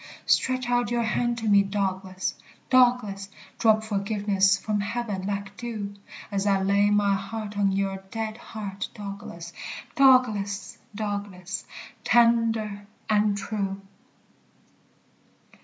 Stretch out your hand to me, Douglas, Douglas, Drop forgiveness from heaven like dew; As I lay my heart on your dead heart, Douglas, Douglas, Douglas, tender and true!